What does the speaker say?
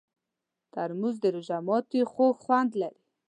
ترموز د روژه ماتي خوږ خوند لري.